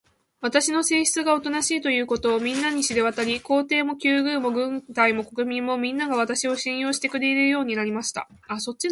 私の性質がおとなしいということが、みんなに知れわたり、皇帝も宮廷も軍隊も国民も、みんなが、私を信用してくれるようになりました。